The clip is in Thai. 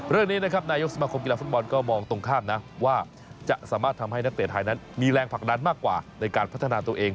เรื่องนี้นะครับนายกสมาคมกีฬาฟุตบอลก็มองตรงข้ามนะว่าจะสามารถทำให้นักเตะไทยนั้นมีแรงผลักดันมากกว่าในการพัฒนาตัวเอง